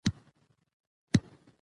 کندهار د افغانانو د معیشت یوه سرچینه ده.